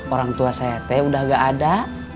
orang tua saya teh udah gak ada